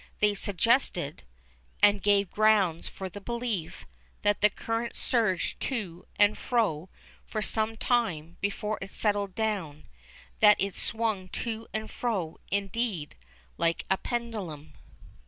They suggested, and gave grounds for the belief, that the current surged to and fro for some time before it settled down; that it swung to and fro, indeed, like a pendulum.